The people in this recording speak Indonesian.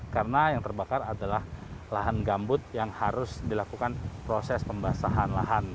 karena yang terbakar adalah lahan gambut yang harus dilakukan proses pembasahan lahan